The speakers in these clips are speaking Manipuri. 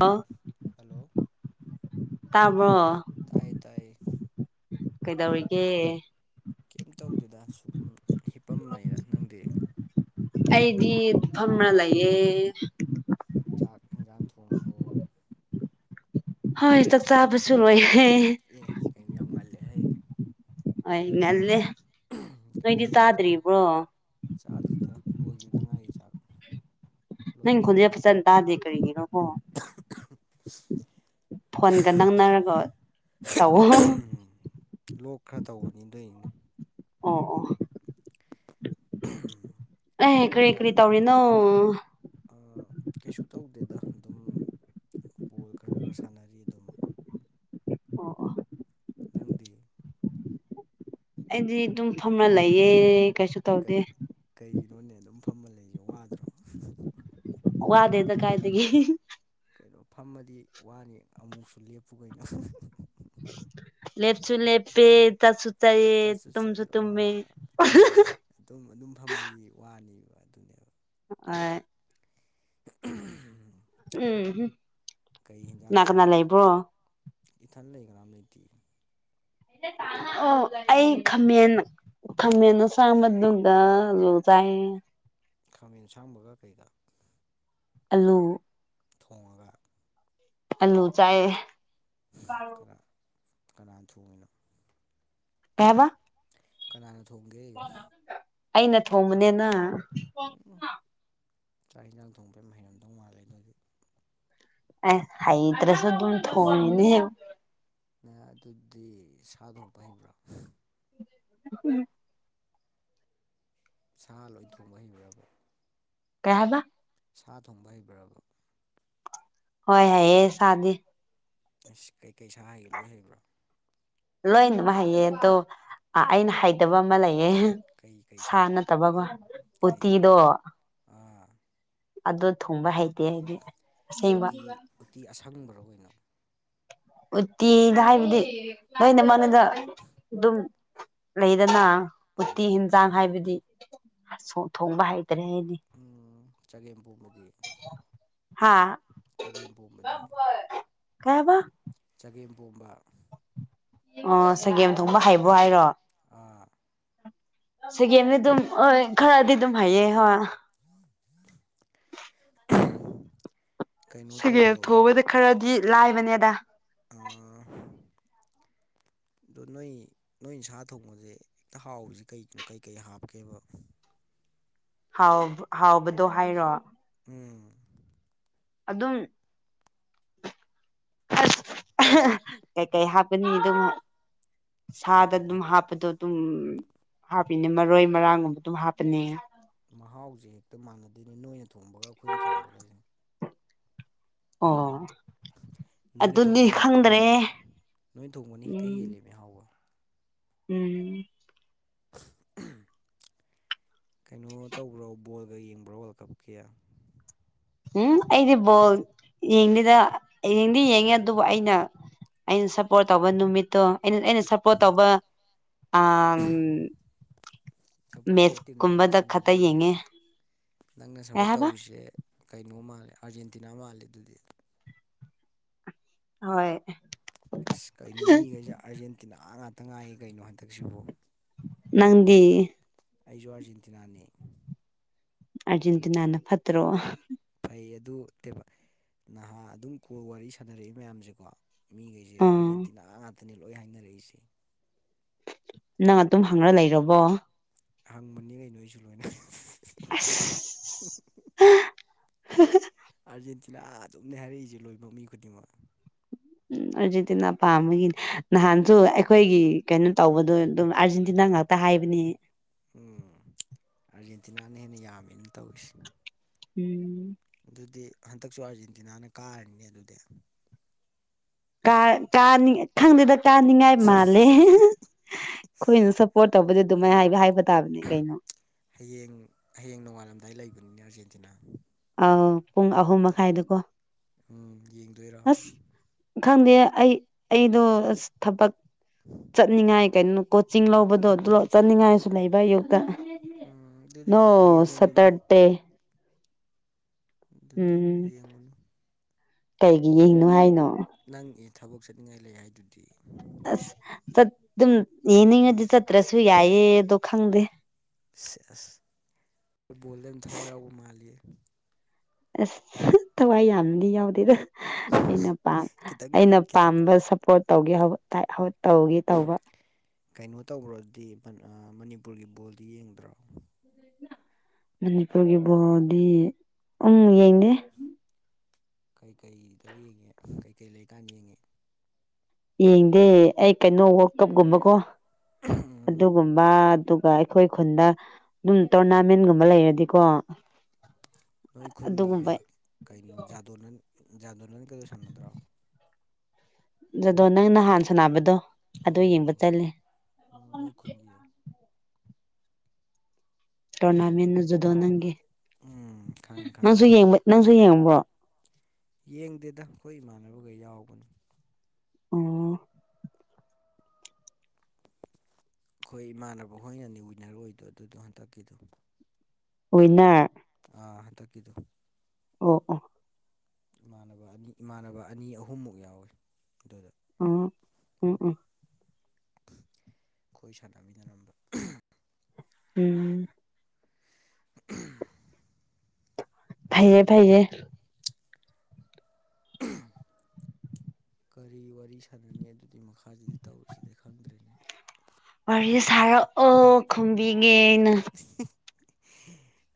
ꯑ ꯍꯜꯂꯣ ꯇꯥꯕ꯭ꯔꯣ ꯇꯥꯏꯌꯦꯇꯥꯏꯌꯦ ꯀꯩꯗꯧꯔꯤꯒꯦ ꯀꯩꯝ ꯇꯧꯗꯦꯗ ꯁꯨꯝ ꯍꯤꯞꯄꯝꯕꯅꯤꯗ ꯅꯪꯗꯤ ꯑꯩꯗꯤ ꯐꯝꯂ ꯂꯩꯌꯦ ꯆꯥꯛ ꯌꯦꯟꯖꯥꯡ ꯊꯣꯡꯉꯕꯣ ꯍꯣꯏ ꯆꯥꯛ ꯆꯥꯕꯁꯨ ꯂꯣꯏꯍꯦ ꯑꯦ ꯀꯩꯅꯣ ꯌꯥꯝ ꯉꯜꯂꯦ ꯍꯦ ꯍꯣꯏ ꯉꯜꯂꯦ ꯀꯩ ꯅꯣꯏꯗꯤ ꯌꯦꯟꯖꯥꯡ ꯆꯥꯔꯦ ꯆꯥꯗ꯭ꯔꯤꯕ꯭ꯔꯣ ꯆꯥꯗ꯭ꯔꯤꯗ ꯂꯣꯏꯈꯤꯕꯗ ꯉꯥꯏꯔꯤ ꯆꯥꯛ ꯅꯪ ꯂꯣꯏꯕꯗ ꯈꯣꯟꯗꯤ ꯉꯥꯏꯔꯤ ꯐꯖꯅ ꯇꯥꯗꯦ ꯀꯔꯤꯒꯤꯅꯣ ꯍꯣ ꯐꯣꯟꯒ ꯅꯪꯅꯔꯒ ꯇꯧꯑꯣ ꯎꯝ ꯂꯣꯛ ꯈꯔ ꯇꯧꯕꯅꯤꯗꯣꯏꯅꯦ ꯑꯣ ꯑꯣ ꯑꯦꯍ ꯀꯔꯤ ꯀꯔꯤ ꯇꯧꯔꯤꯅꯣ ꯑꯥ ꯀꯩꯁꯨ ꯇꯧꯗꯦꯗ ꯑꯗꯨꯝ ꯕꯣꯜ ꯈꯔ ꯈꯔ ꯁꯥꯟꯅꯔꯤ ꯑꯗꯨꯝ ꯑꯣ ꯅꯪꯗꯤ ꯑꯩꯗꯤ ꯑꯗꯨꯝ ꯐꯝꯅ ꯂꯩꯌꯦ ꯀꯩꯁꯨ ꯇꯧꯗꯦ ꯀꯩ ꯀꯩꯒꯤꯅꯣꯅꯦ ꯑꯗꯨꯝ ꯐꯝꯃ ꯂꯩꯁꯦ ꯋꯥꯗ꯭ꯔꯣ ꯋꯥꯗꯦꯗ ꯀꯥꯏꯇꯒꯤ ꯀꯩꯅꯣ ꯐꯝꯃꯗꯤ ꯋꯥꯅꯤ ꯑꯃꯨꯛꯁꯨ ꯂꯦꯞꯄꯨ ꯀꯩꯅꯣ ꯂꯦꯞꯁꯨ ꯂꯦꯄꯦ ꯇꯁꯨ ꯆꯌꯦ ꯆꯠꯁꯨ ꯇꯨꯝꯁꯨ ꯆꯠꯂꯨ ꯇꯨꯝꯃꯤ ꯑꯥ ꯑꯗꯨꯅꯤ ꯑꯗꯨꯝ ꯑꯗꯨꯝ ꯐꯃꯗꯤ ꯋꯥꯅꯦꯕ ꯑꯗꯨꯅꯦꯕ ꯑ ꯎꯝ ꯍꯨꯝ ꯀꯩ ꯍꯟꯖꯥꯡ ꯀꯅꯥ ꯀꯅꯥ ꯆꯥꯒꯦ ꯂꯩꯕ꯭ꯔꯣ ꯏꯊꯟ ꯂꯩ ꯀꯅꯥꯝ ꯂꯩꯇꯤꯌꯦ ꯑꯣ ꯑꯩ ꯈꯝꯃꯦꯟ ꯈꯝꯃꯦꯟ ꯑ ꯁꯥꯡꯝꯕꯗꯨꯒ ꯑꯂꯣ ꯆꯥꯏꯌꯦ ꯈꯥꯃꯦꯟ ꯁꯥꯡꯕꯒ ꯀꯩꯀꯥ ꯑꯜꯂꯨ ꯊꯣꯡꯉꯒ ꯑꯜꯂꯨ ꯆꯥꯏꯌꯦ ꯀ ꯀꯅꯥ ꯊꯣꯡꯉꯤꯅꯣ ꯀꯩꯕ ꯀꯅꯥꯅ ꯊꯣꯡꯒꯦ ꯑꯩꯅ ꯊꯣꯡꯕꯅꯦꯅ ꯎꯝ ꯆꯥꯛ ꯌꯦꯟꯖꯥꯡ ꯊꯣꯡꯕꯩ ꯍꯩꯩꯅꯝꯗꯧ ꯃꯥꯜꯂꯦ ꯑꯗꯨꯣꯏꯗꯤ ꯑ ꯍꯩꯗ꯭ꯔꯦꯁꯨ ꯑꯗꯨꯝ ꯊꯣꯡꯉꯅꯦ ꯑꯗꯨꯗꯤ ꯁꯥꯗꯣꯡꯄ ꯍꯩꯕ꯭ꯔꯥ ꯎꯝ ꯁꯥ ꯂꯣꯏ ꯊꯣꯡꯕ ꯍꯩꯈ꯭ꯔꯔꯕ ꯀꯩꯕ ꯁꯥ ꯊꯣꯡꯕ ꯍꯩꯕ꯭ꯔꯕ ꯍꯣꯏ ꯍꯥꯏꯑ ꯁꯥꯗꯦ ꯑꯁ ꯀꯩꯀꯩ ꯁꯥ ꯍꯒꯦ ꯂꯣꯏ ꯍꯕ꯭ꯔꯥ ꯂꯣꯏ ꯑꯗꯨꯃꯛ ꯍꯥꯏꯩꯌꯦ ꯑꯗꯣ ꯑꯩꯅ ꯍꯥꯏꯩꯇꯕ ꯑꯃ ꯂꯩꯌꯦ ꯀꯩ ꯀꯩ ꯁꯥ ꯁꯥꯅꯣ ꯅꯠꯇꯕ ꯑꯃ ꯀꯩ ꯎꯇꯤꯗꯣ ꯑꯥ ꯑꯗꯨꯗ ꯊꯨꯡꯕ ꯍꯩꯇꯦ ꯍꯥꯏꯗꯤ ꯑꯁꯦꯡꯕ ꯎꯇꯤ ꯎꯇꯤ ꯑꯁꯪꯕꯔ ꯑꯣꯏꯅꯣ ꯎꯇꯤꯗ ꯍꯥꯏꯕꯗꯤ ꯅꯣꯏꯅ ꯃꯥꯅꯗ ꯑꯗꯨꯝ ꯂꯩꯗꯅ ꯎꯇꯤ ꯎꯝ ꯌꯦꯟꯖꯥꯡ ꯍꯥꯏꯕꯗꯤ ꯊꯣꯡꯕ ꯍꯩꯇ꯭ꯔꯦ ꯑꯩꯗꯤ ꯆꯒꯦꯝ ꯄꯣꯕꯗꯤ ꯍꯥꯥ ꯆꯒꯦꯝ ꯄꯣꯝꯕꯗꯤ ꯀꯩ ꯍꯥꯏꯕ ꯆꯒꯦꯝ ꯄꯣꯝꯕ ꯑꯣ ꯁꯒꯦꯝ ꯊꯣꯡꯕ ꯍꯩꯕ ꯍꯥꯏꯔꯣ ꯑꯥ ꯁꯤꯒꯦꯝꯅꯤ ꯑꯗꯨꯝ ꯍꯣꯏ ꯈꯔꯗꯤ ꯑꯗꯨꯝ ꯍꯥꯏꯌꯦ ꯍꯣꯏ ꯎꯝ ꯎꯝ ꯀꯩꯅꯣ ꯁꯒꯦ ꯇꯧꯕ꯭ꯔꯣ ꯊꯣꯛꯕꯗ ꯈꯔꯗꯤ ꯂꯥꯏꯕꯅꯦꯗ ꯑ ꯑꯗꯣ ꯅꯣꯏ ꯅꯣꯏ ꯁꯥ ꯊꯣꯡꯕꯁꯦ ꯍꯦꯛꯇ ꯍꯥꯎꯕꯁꯤ ꯀꯩꯅꯣ ꯀꯩꯀꯩ ꯍꯥꯞꯀꯦꯕ ꯍꯥꯎ ꯍꯥꯎꯕꯗꯣ ꯍꯥꯏꯔꯣ ꯎꯝ ꯑꯗꯨꯝ ꯀꯩꯀꯩ ꯍꯥꯞ ꯑꯅꯤ ꯑꯗꯨꯝ ꯁꯥꯗ ꯀꯩꯀꯩ ꯑꯗꯨꯝ ꯍꯥꯞꯀꯦ ꯍꯥꯞꯄꯗꯣ ꯑꯗꯨꯝ ꯍꯥꯞꯄꯤꯅꯦ ꯃꯔꯣꯏ ꯃꯔꯥꯡꯒꯨꯝꯕ ꯑꯗꯨꯝ ꯍꯥꯞꯄꯅꯤ ꯃꯍꯥꯎꯁꯦ ꯍꯦꯛꯇ ꯃꯥꯟꯅꯗꯣꯏꯅꯤ ꯅꯣꯏꯅ ꯊꯣꯡꯕꯒ ꯑꯩꯈꯣꯏꯅ ꯊꯣꯡꯕꯒꯁꯦ ꯑꯣ ꯅꯣꯏꯅ ꯑꯗꯨꯗꯤ ꯊꯣꯡꯕꯅ ꯍꯦꯛꯇ ꯈꯪꯗ꯭ꯔꯦ ꯍꯦꯜꯂꯦ ꯅꯣꯏꯅ ꯊꯣꯡꯕꯅꯤ ꯍꯦꯛꯇ ꯎꯝ ꯍꯦꯜꯜꯂꯤꯦ ꯃꯤꯍꯥꯎꯒ ꯎꯝ ꯎ ꯀꯩꯅꯣ ꯇꯧꯕ꯭ꯔꯣ ꯕꯣꯜꯒ ꯌꯦꯡꯕ꯭ꯔꯣ ꯋꯥꯔꯜ ꯀꯞꯀꯤꯌꯥ ꯎꯝ ꯑꯩꯗꯤ ꯕꯣꯜ ꯌꯦꯡꯗꯦꯗ ꯌꯦꯡꯗꯤ ꯌꯦꯡꯉꯦ ꯑꯗꯨꯕꯨ ꯑꯩꯅ ꯑꯩꯅ ꯁꯞꯄꯣꯔꯠ ꯇꯧꯕ ꯅꯨꯃꯤꯠꯇꯣ ꯑꯩꯅ ꯑꯩꯅ ꯁꯞꯄꯣꯔꯠ ꯇꯧꯕ ꯑ ꯁꯞꯄꯣꯔꯠ ꯇꯧꯕ ꯇꯤꯝꯗꯨꯅ ꯁꯥꯟꯅꯕ ꯈꯛꯇ ꯌꯦꯡꯉꯦ ꯅꯨꯃꯤꯠꯇ ꯅꯪꯅ ꯀꯩ ꯁꯞꯄꯣꯔꯠ ꯍꯥꯏꯕ ꯇꯧꯔꯤꯁꯦ ꯀꯩꯅꯣ ꯃꯥꯜꯂꯦ ꯑꯥꯔꯖꯦꯟꯇꯤꯅꯥ ꯃꯥꯜꯂꯦ ꯑꯗꯨꯗꯤ ꯍꯣꯏ ꯑꯁ ꯀꯩꯅꯣ ꯃꯤꯈꯩꯁꯦ ꯑꯥꯔꯖꯦꯟꯇꯤꯅꯥ ꯉꯥꯛꯇ ꯉꯥꯏꯌꯦ ꯀꯩꯅꯣ ꯍꯟꯗꯛꯁꯤꯕꯨ ꯅꯪꯗꯤ ꯑꯩꯁꯨ ꯑꯥꯔꯖꯦꯟꯇꯤꯅꯥꯅꯤ ꯑꯥꯔꯖꯦꯟꯇꯤꯅꯥꯅ ꯐꯠꯇ꯭ꯔꯣ ꯐꯩ ꯑꯗꯨ ꯅꯍꯥ ꯑꯗꯨꯝ ꯀꯜ ꯋꯥꯔꯤ ꯁꯥꯟꯅꯔꯛꯏ ꯃꯌꯥꯝꯁꯦꯀꯣ ꯃꯤꯈꯩꯁꯦ ꯑꯥ ꯑꯥꯔꯖꯦꯟꯇꯤꯅꯥ ꯉꯥꯛꯇꯅꯦ ꯂꯣꯏ ꯍꯥꯏꯅꯔꯛꯏꯁꯦ ꯅꯪ ꯑꯗꯨꯝ ꯍꯪꯔ ꯂꯩꯔꯕꯣ ꯍꯪꯕꯅꯤ ꯀꯩꯅꯣ ꯑꯩꯁꯨ ꯂꯣꯏꯅ ꯑꯁ ꯑꯖꯦꯟꯇ ꯊꯤꯅꯥ ꯆꯨꯝꯅꯤ ꯍꯥꯏꯔꯛꯏꯁꯦ ꯂꯣꯏꯕ ꯃꯤ ꯈꯨꯗꯤꯡꯃꯛ ꯎꯝ ꯑꯥꯔꯖꯦꯟꯇꯤꯅꯥ ꯄꯥꯝꯕꯒꯤꯅꯤ ꯅꯍꯥꯟꯁꯨ ꯑꯩꯈꯣꯏꯒꯤ ꯀꯩꯅꯣ ꯇꯧꯕꯗꯣ ꯑꯗꯨꯝ ꯑꯥꯔꯖꯦꯟꯇꯤꯅꯥ ꯉꯥꯛ ꯇ ꯍꯥꯏꯕꯅꯤ ꯎꯝ ꯑꯥꯔꯖꯦꯟꯇꯤꯅꯥꯅ ꯍꯦꯟꯅ ꯌꯥꯝꯃꯦꯅ ꯇꯧꯔꯤꯁꯦ ꯎꯝ ꯑꯗꯨꯗꯤ ꯍꯟꯗꯛꯁꯨ ꯑꯥꯔꯖꯦꯟꯇꯤꯅꯥꯅ ꯀꯥꯔꯅꯦ ꯑꯗꯨꯗꯤ ꯥꯅꯤꯡ ꯈꯪꯗꯦꯗ ꯆꯥꯅꯤꯡꯉꯥꯏ ꯃꯥꯜꯂꯦ ꯑꯩꯈꯣꯏꯅ ꯁꯞꯄꯣꯔꯠ ꯇꯧꯕꯗ ꯑꯗꯨꯃꯥꯏꯅ ꯍꯥꯏ ꯍꯥꯏꯕ ꯇꯥꯕꯅꯦ ꯀꯩꯅꯣ ꯍꯌꯦꯡ ꯍꯌꯦꯡ ꯅꯣꯡꯉꯥꯜꯂꯝꯗꯥꯏ ꯂꯩꯕꯅꯤꯅꯦ ꯑꯥꯔꯖꯦꯟꯇꯤꯅꯥ ꯑ ꯄꯨꯡ ꯑꯍꯨꯝ ꯃꯈꯥꯏꯗꯀꯣ ꯎꯝ ꯌꯦꯡꯗꯣꯏꯔꯣ ꯑꯁ ꯈꯪꯗꯦ ꯑꯩ ꯑꯩꯗꯣ ꯑꯁ ꯊꯕꯛ ꯆꯠꯅꯤꯡꯉꯥꯏ ꯀꯩꯅꯣꯣ ꯀꯣꯆꯤꯡ ꯂꯧꯕꯗꯣ ꯑꯗꯨꯂꯞ ꯆꯠꯅꯤꯡꯉꯥꯏꯁꯨ ꯂꯩꯕ ꯑꯌꯨꯛꯇ ꯎꯝ ꯑꯗꯨꯗꯤ ꯌꯦꯡꯉꯨꯅꯨꯗ ꯇꯦ ꯑꯗꯨꯗꯤ ꯎꯝ ꯌꯦꯡꯉꯨꯅꯨ ꯀꯩꯒꯤ ꯌꯦꯡꯅꯣ ꯍꯥꯏꯅꯣ ꯅꯪ ꯑꯦ ꯊꯕꯛ ꯆꯠꯅꯤꯡꯉꯥꯏ ꯂꯩ ꯍꯥꯏꯗꯨꯗꯤ ꯑꯁ ꯑꯗꯨꯝ ꯌꯦꯡꯅꯤꯡꯉꯗꯤ ꯆꯠꯇ꯭ꯔꯁꯨ ꯌꯥꯏꯌꯦꯗꯣ ꯈꯪꯗꯦ ꯁ ꯑꯁ ꯐꯨꯠꯕꯣꯜꯗ ꯑꯗꯨꯝ ꯊꯋꯥꯏ ꯌꯥꯎꯕ ꯃꯥꯜꯂꯤ ꯑꯁ ꯊꯋꯥꯏ ꯌꯥꯝꯗꯤ ꯌꯥꯎꯗꯦꯗ ꯑꯩꯅ ꯈꯤꯇꯪ ꯑꯩꯅ ꯈꯤꯇꯪ ꯄꯥꯝꯕ ꯁꯞꯄꯣꯔꯠ ꯇꯧꯒꯦ ꯇꯧꯒꯦ ꯇꯧꯕ ꯀꯩꯅꯣ ꯇꯧꯕꯈ꯭ꯔꯗꯤ ꯃꯅꯤꯄꯨꯔꯒꯤ ꯕꯣꯜꯗꯤ ꯌꯦꯡꯗ꯭ꯔꯣ ꯃꯅꯤꯄꯨꯔꯒꯤ ꯕꯣꯔꯣꯗꯤ ꯎꯝ ꯌꯦꯡꯗꯦ ꯀꯩꯀꯩꯗ ꯌꯦꯡꯉꯦ ꯀꯩꯀꯩ ꯂꯩꯀꯥꯟꯗ ꯌꯦꯡꯉꯦ ꯌꯦꯡꯗꯦ ꯑꯩ ꯀꯩꯅꯣ ꯋꯥꯔꯛ ꯀꯞꯀꯨꯝꯕꯀꯣ ꯑꯗꯨꯒꯨꯝꯕ ꯑꯗꯨꯒ ꯑꯩꯈꯣꯏ ꯈꯨꯟꯗ ꯑꯗꯨꯝ ꯇꯣꯔꯅꯥꯃꯦꯟꯒꯨꯝꯕ ꯂꯩꯔꯗꯤꯀꯣ ꯅꯣꯏ ꯈꯨꯟꯒꯤꯒ ꯑꯗꯨꯒꯨꯝꯕ ꯀꯩꯅꯣ ꯖꯥꯗꯣꯟ ꯖꯥꯗꯣꯟꯟꯒꯗꯣ ꯁꯥꯟꯅꯗ꯭ꯔꯣ ꯖꯗꯣ ꯅꯪꯅꯍꯥꯟꯅ ꯁꯥꯟꯅꯕꯗꯣ ꯍꯣ ꯑꯗꯨ ꯍꯣ ꯌꯦꯡꯕ ꯍꯣꯏ ꯆꯠꯂꯦ ꯅꯣꯏ ꯈꯨꯟꯒꯤ ꯇꯣꯔꯅꯥꯃꯦꯟꯖꯗꯣ ꯅꯪꯒꯤ ꯎꯝ ꯈꯪꯉꯦ ꯈꯪꯉꯦ ꯅꯪꯁꯨꯕ ꯅꯪꯁꯨ ꯌꯦꯡꯕ꯭ꯔꯣ ꯌꯦꯡꯗꯦꯗ ꯑꯩꯈꯣꯏ ꯏꯃꯥꯟꯅꯕꯒ ꯌꯥꯎꯕꯅꯨ ꯑꯣ [unintelligible] ꯑꯩꯈꯣꯏ ꯏꯃꯥꯟꯅꯕ ꯍꯣꯏꯅꯅꯤ ꯋꯤꯟꯅꯔ ꯑꯣꯏꯗꯣꯏ ꯑꯗꯨꯗꯣ ꯍꯟꯇꯛꯀꯤꯗꯣ ꯋꯤꯟꯅꯔ ꯑꯥ ꯊꯀꯤꯗꯨ ꯑꯣ ꯑꯣ ꯏꯃꯥꯟꯅꯕ ꯑꯅꯤ ꯏꯃꯥꯟꯅꯕ ꯑꯅꯤ ꯑꯍꯨꯝꯃꯨꯛ ꯌꯥꯎꯏꯤ ꯑꯗꯨꯗ ꯎꯝ ꯎꯝ ꯎꯝ ꯑꯩꯣꯏ ꯁꯥꯟꯅꯃꯤꯅꯔꯝꯕ ꯎꯝ [unintelligible] ꯐꯩꯌꯦ ꯐꯩꯌꯦ ꯀꯔꯤ ꯋꯥꯔꯤ ꯁꯥꯟꯅꯅꯤ ꯑꯗꯨꯒꯤ ꯃꯈꯥꯁꯤꯗꯤ ꯇꯧꯔꯨꯁꯤꯗꯤ ꯈꯪꯗ꯭ꯔꯦꯅꯦ ꯋꯥꯔꯤ ꯁꯥꯔꯛꯑꯣ ꯈꯨꯝꯕꯤꯒꯦꯅ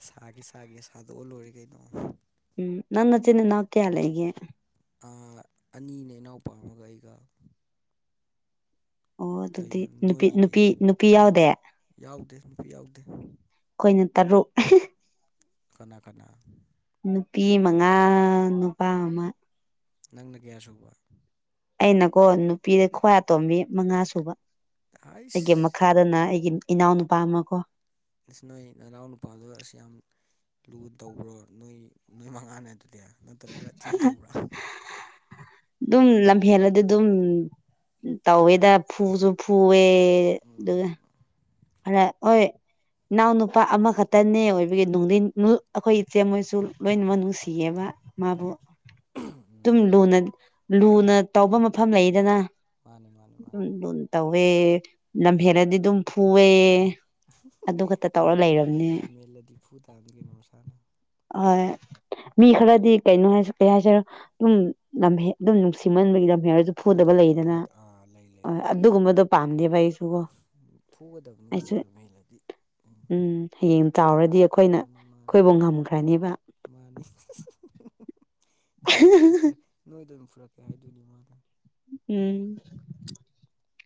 ꯁꯥꯒꯤ ꯁꯥꯒ ꯁꯥꯗꯣꯛꯑ ꯂꯣꯏꯔꯦ ꯀꯩꯅꯣ ꯎꯝ ꯅꯪ ꯆꯤꯟꯅꯤ ꯅꯀꯦꯌꯥꯂ ꯑꯩꯦ ꯑꯅꯤꯅꯦ ꯏꯅꯥꯎꯄꯥꯝꯃꯒ ꯑꯩꯒ ꯑꯣ ꯑꯗꯨꯗꯤ ꯀꯩꯅꯣ ꯅꯨꯄꯤ ꯅꯣꯏꯒꯤꯗꯤ ꯅꯨꯄꯤ ꯅꯨꯄꯤ ꯌꯥꯎꯗꯦ ꯌꯥꯎꯗꯦ ꯅꯨꯄꯤ ꯌꯥꯎꯗꯦ ꯑꯩꯈꯣꯏꯅ ꯇꯔꯨꯛ ꯀꯅꯥ ꯀꯅꯥ ꯅꯨꯄꯤ ꯃꯉꯥ ꯅꯨꯄꯥ ꯑꯃ ꯅꯪꯅ ꯀꯌꯥ ꯁꯨꯕ ꯑꯩꯅꯀꯣ ꯅꯨꯄꯤꯗ ꯈ꯭ꯋꯥ ꯇꯣꯝꯃꯤ ꯃꯉꯥ ꯁꯨꯕ ꯑꯩꯒꯤ ꯍꯥꯏꯁ ꯃꯈꯥꯗꯅ ꯑꯩꯒꯤ ꯏꯅꯥꯎ ꯅꯨꯨꯄꯥ ꯑꯃ ꯀꯣ ꯅꯣꯏ ꯅꯅꯥꯎ ꯅꯨꯄꯥꯗꯨ ꯑꯁꯤ ꯌꯥꯝ ꯂꯨ ꯇꯧꯕ꯭ꯔꯣ ꯅꯣꯏ ꯅꯣꯏ ꯃꯉꯥꯅꯦ ꯑꯗꯨꯗꯤ ꯅꯠꯇ꯭ꯔꯒ ꯊꯤꯟ ꯇꯧꯕ꯭ꯔꯥ ꯑꯗꯨꯝ ꯂꯝꯐꯦꯜꯂꯗꯤ ꯑꯗꯨꯝ ꯇꯧꯋꯦꯗ ꯐꯨꯁꯨ ꯐꯨꯑꯦ ꯑꯗꯨ ꯎꯝ ꯍꯣꯏ ꯏꯅꯥꯎ ꯅꯨꯄꯥ ꯑꯃꯈꯛꯇꯅꯦ ꯑꯣꯏꯕꯒꯤ ꯅꯨꯡ ꯑꯩꯈꯣꯏ ꯏꯆꯦ ꯃꯣꯏꯁꯨ ꯂꯣꯏꯅꯃꯛ ꯅꯨꯡꯁꯤꯌꯦꯕ ꯃꯥꯕꯨ ꯑꯗꯨꯝ ꯎꯝ ꯂꯨꯅ ꯂꯨꯅ ꯇꯧꯕ ꯃꯐꯝ ꯂꯩꯗꯅ ꯃꯥꯅꯤ ꯃꯥꯅꯤ ꯃꯥꯅꯤ ꯇꯧꯋꯦ ꯂꯝꯍꯦꯜꯔꯗꯤ ꯑꯗꯨꯝ ꯐꯨꯑꯦ ꯑꯗꯨ ꯈꯛꯇ ꯇꯧꯔ ꯂꯝꯃꯦ ꯂꯩꯔꯕꯅꯦ ꯂꯝꯍꯦꯜꯂꯗꯤ ꯐꯨ ꯇꯥꯟꯒꯅꯣꯁꯥꯅ ꯍꯣꯏ ꯃꯤ ꯈꯔꯗꯤ ꯀꯩꯅꯣ ꯍꯥꯏ ꯀꯩ ꯍꯥꯏꯁꯔ ꯑꯗꯨꯝ ꯑꯗꯨꯝ ꯅꯨꯡꯁꯤꯃꯟꯕꯒꯤ ꯂꯝꯍ ꯍꯥꯏꯔ ꯐꯨꯗꯕ ꯐꯨꯗꯕꯗꯣ ꯂꯩꯗꯅ ꯑꯥ ꯂꯩ ꯍ ꯂꯩ ꯂꯩ ꯑꯗꯨꯒꯨꯝꯕꯗꯣ ꯄꯥꯝꯗꯦꯕ ꯑꯩꯁꯨꯒꯣ ꯐꯨꯒꯗꯕꯅꯤ ꯈꯔ ꯂꯍꯜꯂꯗꯤ ꯎꯝ ꯍꯡ ꯇꯥꯎꯔꯦ ꯃꯥꯅꯤ ꯃꯥꯅꯤ ꯃꯥꯅꯤ ꯅꯣꯏꯗ ꯑꯗꯨꯝ ꯐꯛꯦ ꯅꯣꯏꯗ ꯑꯗꯨꯝ ꯐꯨꯔꯛꯀꯦ ꯍꯥꯏꯗꯣꯏꯅꯤ ꯃꯥꯅ ꯎꯝ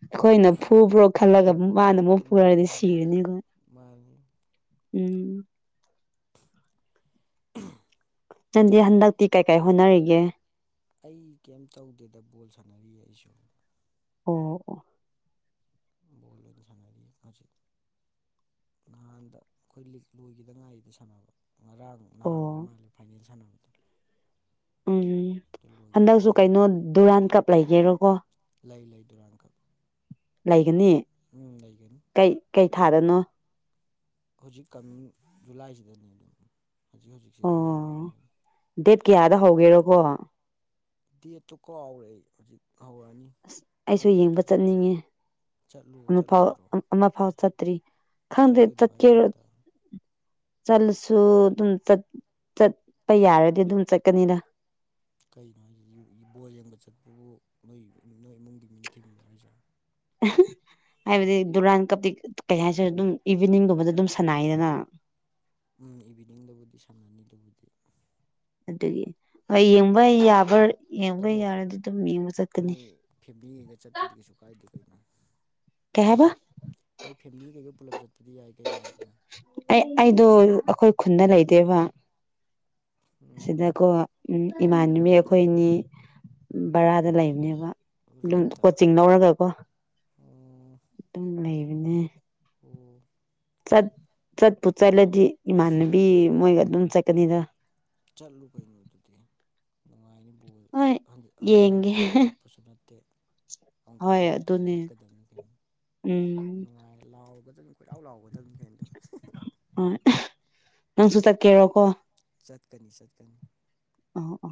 ꯑꯩꯈꯣꯏꯅ ꯐꯨꯕ꯭ꯔꯣ ꯈꯜꯂꯒ ꯃꯥꯅ ꯑꯃꯨꯛ ꯄꯨꯔꯔꯗꯤ ꯎꯝ ꯁꯤꯔꯅꯤꯈꯣꯏ ꯃꯥꯅꯤ ꯎꯝ ꯆꯟꯗꯤ ꯍꯟꯗꯛꯇꯤ ꯀꯩ ꯀꯥꯏ ꯍꯣꯠꯅꯔꯤꯒꯦ ꯑꯩ ꯀꯩꯝ ꯇꯧꯒꯦꯗ ꯕꯣꯜ ꯁꯥꯟꯅꯔꯤ ꯑꯩꯁꯨ ꯑꯣ ꯑꯣ ꯕꯣꯜ ꯑꯣꯏꯅꯥ ꯁꯅꯥꯔꯤ ꯉꯖꯤ ꯅꯍꯥꯟꯗ ꯑꯩꯈꯣꯏ ꯂꯤꯛ ꯂꯣꯏꯈꯤꯗ ꯉꯥꯏꯔꯤꯗ ꯁꯥꯟꯅꯕ ꯉꯔꯥꯡꯛ ꯅꯍꯥꯟꯕꯩ ꯑꯣ ꯃꯥꯜꯂꯦ ꯐꯥꯏꯅꯦꯜ ꯁꯥꯟꯅꯕꯗ ꯎꯝ ꯍꯟꯗꯛꯁꯨ ꯀꯩꯅꯣ ꯗꯨꯔꯥꯟ ꯀꯞ ꯂꯩꯒꯦꯔꯣꯀꯣ ꯂꯩ ꯂꯩ ꯗꯨꯔꯥꯡꯀꯛ ꯂꯩꯒꯅꯤ ꯎꯝ ꯂꯩꯒꯅꯨ ꯀꯩ ꯀꯩ ꯊꯥꯗꯅꯣ ꯍꯧꯖꯤꯛ ꯀꯃꯤꯡ ꯖꯨꯂꯥꯏꯁꯤꯗꯅꯦ ꯑꯗꯨꯝ ꯍꯧꯖꯤꯛ ꯍꯧꯖꯤꯛꯁꯦ ꯑꯗꯨꯝ ꯑꯣ ꯍꯧꯔꯛꯑꯅꯤ ꯗꯦꯠ ꯀꯌꯥꯗ ꯍꯧꯒꯦꯔꯣꯀꯣ ꯗꯦꯠꯇꯨ ꯀꯥꯎ ꯍꯧꯔꯛꯦ ꯍꯧꯖꯤꯛ ꯍꯧꯔꯛꯑꯅꯤ ꯑꯁ ꯑꯩꯁꯨ ꯗꯦꯠꯇꯨ ꯌꯦꯡꯕ ꯊꯣꯛꯈ꯭ꯔꯦ ꯆꯠꯅꯤꯡꯉꯤ ꯆꯠꯂꯨ ꯑꯃꯐꯥꯎ ꯆꯠꯂꯣꯏꯗ꯭ꯔꯣ ꯑꯃꯐꯥꯎ ꯆꯠꯇ꯭ꯔꯤ ꯈꯪꯗꯦ ꯆꯠꯂꯣꯏꯗ꯭ꯔꯣ ꯇꯠ ꯍꯥꯏꯁꯦ ꯀꯦꯔ ꯍꯟꯗꯛ ꯆꯠꯂꯁꯨ ꯑꯗꯨꯝ ꯆꯠꯄ ꯌꯥꯔꯗꯤ ꯑꯗꯨꯝ ꯆꯠꯀꯅꯤꯗ ꯀꯩꯅꯣ ꯍꯥꯏ ꯕꯣꯜ ꯌꯦꯡꯕ ꯆꯠꯄꯕꯨ ꯅꯣꯏ ꯅꯣꯏ ꯏꯃꯨꯡꯒꯤ ꯃꯤꯅ ꯊꯤꯡꯕ ꯍꯥꯏꯁꯦ ꯍꯥꯏꯕꯗꯤ ꯗꯨꯔꯥꯟ ꯀꯞꯇꯤ ꯀꯩ ꯍꯥꯏꯁꯤꯔ ꯑꯗꯨꯝ ꯏꯚꯤꯅꯤꯡ [unintelligible] ꯐꯖꯅ ꯑꯗꯨꯝ ꯁꯥꯟꯅꯩꯗꯅ ꯎꯝ ꯏꯚꯤꯅꯤꯡꯗꯕꯨꯗꯤ ꯁꯥꯟꯅꯅꯤꯗꯨꯕꯨꯗꯤ ꯑꯗꯨꯒꯤ ꯍꯣꯏ ꯌꯦꯡꯕ ꯌꯥꯕꯔ ꯌꯦꯡꯕ ꯌꯥꯔꯗꯤ ꯑꯗꯨꯝ ꯌꯦꯡꯕ ꯆꯠꯀꯅꯤ ꯐꯦꯚꯕ꯭ꯂꯤꯉꯩꯒ ꯆꯠꯄꯗꯤ ꯀꯩꯁꯨ ꯀꯥꯏꯗꯦ ꯀꯩꯅꯣ ꯀꯩꯍꯥꯏꯕ ꯅꯣꯏ ꯐꯦꯃꯤꯂꯤ ꯀꯩꯀꯩ ꯄꯨꯂꯞ ꯆꯠꯄꯗꯤ ꯌꯥꯏ ꯀꯩꯅꯣ ꯑꯗꯨꯝ ꯑꯩ ꯑꯩꯗꯣ ꯑꯩꯈꯣꯏ ꯈꯨꯟꯗ ꯂꯩꯗꯦꯕ ꯑꯁꯤꯗ ꯎꯝ ꯀꯣ ꯎꯝ ꯏꯃꯥꯟꯅꯕꯤ ꯑꯩꯈꯣꯏꯅꯤ ꯕꯔꯥꯗ ꯂꯩꯕꯅꯦꯕ ꯑꯗꯨꯝ ꯔꯦꯟꯇ ꯀꯣꯆꯤꯡ ꯂꯧꯔꯒꯀꯣ ꯑꯣ ꯑꯗꯨꯝ ꯂꯩꯕꯅꯦ ꯑꯣ ꯆꯠ ꯆꯠꯄꯨ ꯆꯠꯂꯗꯤ ꯏꯃꯥꯟꯅꯕꯤ ꯃꯣꯏꯒ ꯑꯗꯨꯝ ꯆꯠꯀꯅꯤꯗ ꯆꯠꯂꯨ ꯀꯩꯅꯣ ꯑꯗꯨꯗꯤ ꯅꯨꯡꯉꯥꯏꯅꯤ ꯕꯣꯜ ꯍꯣꯏ ꯍꯟꯖꯤꯟ ꯌꯦꯡꯒꯦ ꯍꯟꯖꯤꯟꯅ ꯂꯥꯛꯄꯁꯨ ꯅꯠꯇꯦ ꯑꯃꯨꯛꯇꯪ ꯍꯣꯏ ꯂꯥꯛꯄꯅꯤ ꯑꯗꯨꯅꯦ ꯆꯠꯀꯗꯕꯅꯤ ꯀꯩꯅꯣ ꯎꯝ ꯅꯨꯡꯉꯥꯏꯅ ꯂꯥꯎꯒꯗꯕꯅꯤ ꯀꯣꯏꯂꯥꯎ ꯂꯥꯎꯒꯗꯕꯅꯤ ꯀꯩꯅꯣꯗꯣ ꯍꯣꯏ ꯅꯪꯁꯨ ꯆꯠꯀꯦꯔꯣꯀꯣ ꯆꯠꯀꯅꯤ ꯆꯠꯀꯅꯤ ꯑꯣ ꯑꯣ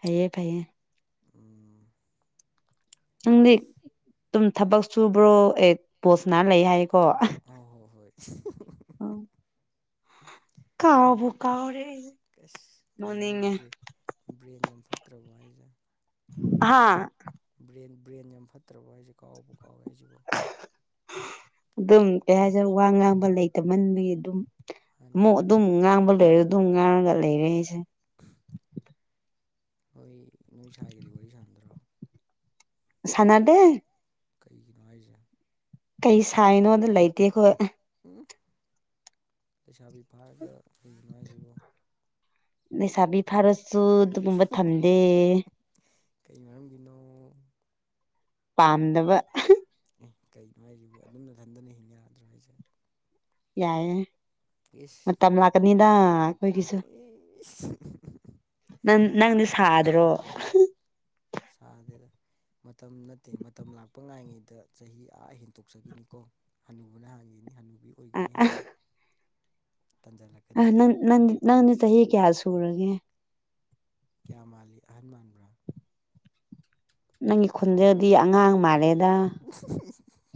ꯐꯩꯌꯦ ꯐꯩꯌꯦ ꯎꯝ ꯅꯪꯗꯤ ꯑꯗꯨꯝ ꯊꯕꯛ ꯁꯨꯕ꯭ꯔꯣ ꯑꯦ ꯄꯣꯁꯅꯥ ꯂꯩ ꯍꯥꯏ ꯑꯥ ꯍꯣ ꯍꯣꯏ ꯀꯥꯎꯕꯨ ꯀꯥꯎꯔꯦ ꯑꯩꯁꯦ ꯀꯁ ꯀꯩꯩꯅꯣ ꯍꯥꯏꯖꯦ ꯅꯣꯛꯅꯤꯡꯉꯦ ꯕ꯭ꯔꯦꯛ ꯕ꯭ꯔꯦꯟ ꯌꯥꯝ ꯐꯠꯇ꯭ꯔꯕꯣ ꯍꯥꯏꯖꯦ ꯍꯥꯥ ꯕ꯭ꯔꯦꯟ ꯕ꯭ꯔꯦꯟ ꯌꯥꯝ ꯐꯠꯇ꯭ꯔꯕꯣ ꯍꯥꯏꯖꯦ ꯀꯥꯎꯕꯨ ꯀꯥꯎꯋꯦ ꯍꯥꯏꯁꯤꯕꯣ ꯑꯗꯨꯝ ꯀꯩ ꯍꯥꯏꯁꯔꯦ ꯋꯥ ꯉꯥꯡꯕ ꯂꯩ ꯇꯠ ꯃꯟꯕꯒꯤ ꯑꯗꯨꯝ ꯃꯥꯅꯤ ꯑꯃꯨꯛ ꯃꯥꯅꯤ ꯑꯗꯨꯝ ꯉꯥꯡꯕ ꯂꯩꯔ ꯑꯗꯨꯝ ꯉꯥꯡꯉꯒ ꯂꯩꯔꯦ ꯑꯩꯁꯦ [unintelligible] ꯍꯣꯏ ꯅꯣꯏ ꯁꯥꯏꯒꯗꯤ ꯋꯥꯔꯤ ꯁꯥꯟꯗ꯭ꯔꯣ ꯁꯥꯟꯅꯗꯦ ꯀꯩꯒꯤꯅꯣ ꯍꯥꯏꯖꯦ ꯀꯩ ꯁꯥꯏꯅꯣꯗ ꯂꯩꯇꯦ ꯈꯣꯏ ꯎꯝ ꯂꯩꯁꯥꯕꯤ ꯐꯥꯔꯒ ꯀꯩꯒꯤꯅꯣ ꯍꯥꯏꯖꯤꯕꯨ ꯂꯩꯁꯥꯕꯤ ꯐꯔꯁꯨ [unintelligible] ꯀꯩ ꯃꯔꯝꯒꯤꯅꯣ ꯄꯥꯝꯗꯕ ꯑꯦ ꯀꯩꯅꯣ ꯍꯥꯏꯁꯤꯕꯣ ꯑꯗꯨꯝ ꯅꯊꯟꯗꯅ ꯍꯤꯡ ꯌꯥꯗ꯭ꯔꯣ ꯍꯥꯏꯁꯦ ꯌꯥꯏꯌꯦ ꯃꯇꯝ ꯂꯛꯀꯅꯤꯗꯥ ꯑꯩꯈꯣꯏꯒꯤꯁꯨ ꯏꯁ [unintelligible] ꯅꯪ ꯅꯪꯗꯤ ꯁꯥꯗ꯭ꯔꯣ ꯁꯥꯗꯦꯗ ꯃꯇꯝ ꯅꯠꯇꯦ ꯃꯇꯝ ꯂꯥꯛꯄ ꯉꯥꯏꯉꯩꯗ ꯆꯍꯤ ꯑꯥ ꯍꯦꯟꯇꯣꯛꯆꯈꯤꯅꯤꯀꯣ ꯍꯅꯨꯍꯅ ꯍꯥꯟꯈꯤꯅꯤ ꯍꯅꯨꯕꯤ ꯑ ꯑꯣꯏꯒꯤꯅꯤ ꯍꯥꯟꯅ ꯇꯟꯖꯜꯂꯛ ꯑꯥ ꯅꯪ ꯅꯪ ꯅꯪꯗꯤ ꯆꯍꯤ ꯀꯌꯥ ꯁꯨꯔꯒꯦ ꯀꯌꯥ ꯃꯥꯜꯂꯤ ꯑꯍꯟ ꯃꯥꯟꯕ꯭ꯔꯥ ꯅꯪꯒꯤ ꯈꯨꯟꯖꯦꯜꯗꯤ ꯑꯉꯥꯡ ꯃꯥꯜꯂꯦꯗ [unintelligible]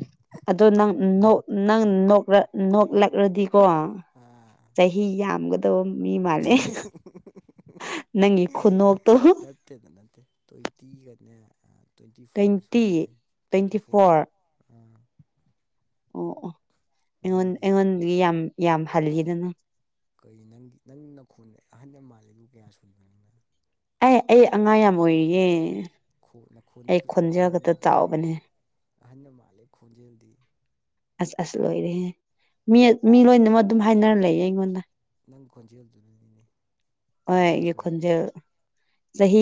ꯑꯗꯣ ꯅꯪ ꯅꯣꯛ ꯅꯪ ꯅꯣꯛꯔꯛ ꯅꯣꯛꯂꯛꯔꯗꯤꯀꯣ ꯑꯥ ꯆꯍꯤ ꯌꯥꯝꯒꯗꯕ ꯃꯤ ꯃꯥꯜꯂꯦ ꯅꯪꯒꯤ ꯈꯨꯅꯣꯛꯇꯣ ꯅꯠꯇꯦꯗ ꯅꯠꯇꯦ ꯇ꯭ꯋꯦꯟꯇꯤ ꯒꯅꯦ ꯇ꯭ꯋꯦꯟꯇꯤ ꯐꯣꯔ ꯇ꯭ꯋꯦꯟꯇꯤ ꯁꯨꯗꯣꯔꯦ ꯇ꯭ꯋꯦꯟꯇꯤ ꯐꯣꯔ ꯎꯝ ꯑꯣ ꯑꯣ ꯑꯩꯉꯣꯟ ꯅꯪꯒꯤꯗꯤ ꯑꯩꯉꯣꯟꯗꯒꯤ ꯌꯥꯝ ꯌꯥꯝ ꯍꯜꯂꯤꯗꯅ ꯀꯩ ꯅꯪꯒꯤ ꯅꯪ ꯅꯈꯣꯟ ꯑꯍꯟ ꯌꯥꯝ ꯃꯥꯜꯂꯤꯗꯨ ꯀꯌꯥ ꯁꯨꯗꯣꯏꯟꯅꯣ ꯅꯪ ꯑꯦ ꯑꯩ ꯑꯉꯥꯡ ꯌꯥꯝ ꯑꯣꯏꯔꯤꯌꯦ ꯈꯣꯟꯅ ꯈꯣꯟꯗꯤ ꯑꯩ ꯐꯖꯅ ꯈꯣꯟꯖꯦꯜ ꯑꯍꯟ ꯈꯛꯇ ꯃꯥꯜꯂꯦ ꯆꯥꯎꯕꯅꯦ ꯑꯍꯟꯅ ꯃꯥꯜꯂꯦ ꯈꯣꯟꯖꯦꯜꯗꯤ ꯑꯁ ꯑꯁ ꯂꯣꯏꯔꯦꯍꯦ ꯃꯤ ꯃꯤ ꯂꯣꯏꯅꯃꯛ ꯑꯗꯨꯝ ꯍꯥꯏꯅꯔ ꯂꯩꯌꯦ ꯑꯩꯉꯣꯟꯗ ꯅꯪ ꯈꯣꯟꯖꯦꯜꯗꯨꯅꯅꯤꯅꯦ ꯍꯣꯏ ꯆꯍꯤ ꯀꯌꯥ ꯑꯩꯒꯤ ꯁꯨꯔꯨꯒꯦ ꯈꯣꯟꯖꯦꯜ ꯆꯍꯤ